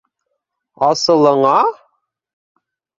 Асылыңа?!